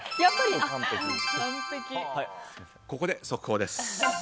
ここで速報です。